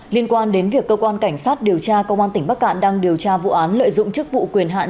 liên quan đến việc cơ quan cảnh sát điều tra công an tỉnh bắc cạn đang điều tra vụ án lợi dụng chức vụ quyền hạn